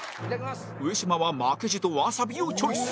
上島は負けじとわさびをチョイス